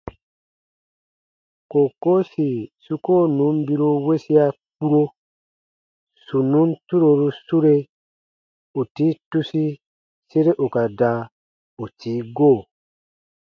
Kookoo sì su koo nùn biru wesia kpuro, sù nùn turoru sure, ù tii tusi sere ù ka da ù tii go.